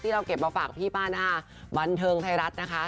เราเก็บมาฝากพี่ป้าหน้าบันเทิงไทยรัฐนะคะ